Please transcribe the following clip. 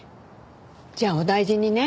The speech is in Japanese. じゃあお大事にね。